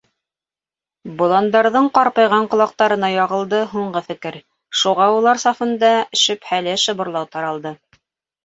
Боландарҙың ҡарпайған ҡолаҡтарына яғылды һуңғы фекер, шуға улар сафында шөбһәле шыбырлау таралды: